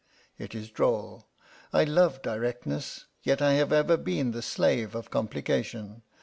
It is droll. I love directness, yet I have ever been the slave of complication.